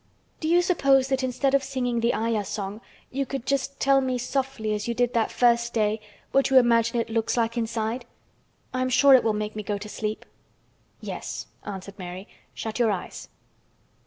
Do you suppose that instead of singing the Ayah song—you could just tell me softly as you did that first day what you imagine it looks like inside? I am sure it will make me go to sleep." "Yes," answered Mary. "Shut your eyes."